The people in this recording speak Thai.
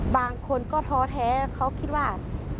บางคนก็ท้อแท้เขาคิดว่า